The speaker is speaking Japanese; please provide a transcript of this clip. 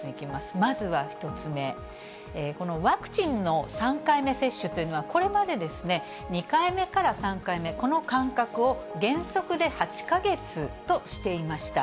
まずは１つ目、このワクチンの３回目接種というのは、これまで２回目から３回目、この間隔を原則で８か月としていました。